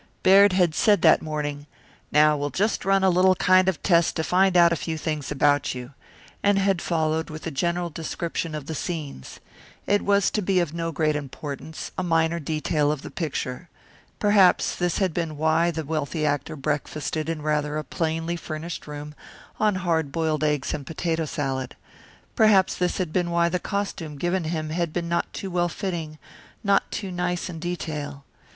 Baird had said that morning, "Now we'll just run a little kind of test to find out a few things about you," and had followed with a general description of the scenes. It was to be of no great importance a minor detail of the picture. Perhaps this had been why the wealthy actor breakfasted in rather a plainly furnished room on hard boiled eggs and potato salad. Perhaps this had been why the costume given him had been not too well fitting, not too nice in detail.